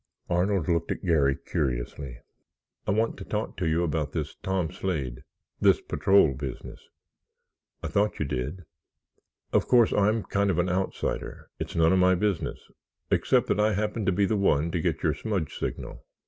Arnold looked at Garry curiously. "I want to talk to you about this Tom Slade—this patrol business." "I thought you did." "Of course, I'm kind of an outsider—it's none of my business—except that I happened to be the one to get your smudge signal.